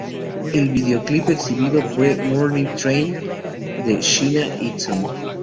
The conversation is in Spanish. El primer videoclip exhibido fue ""Morning Train"" de Sheena Easton.